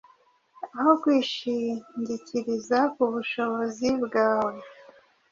aho kwishingikiriza ku bushobozi bwawe